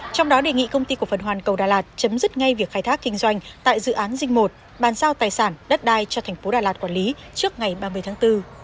trong đó đề nghị công ty cổ phần hoàn cầu đà lạt chấm dứt ngay việc khai thác kinh doanh tại dự án dinh một bàn sao tài sản đất đai cho thành phố đà lạt quản lý trước ngày ba mươi tháng bốn